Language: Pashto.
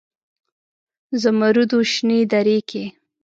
زمرودو شنې درې کې